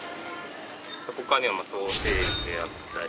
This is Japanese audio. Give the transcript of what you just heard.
他にはソーセージであったり。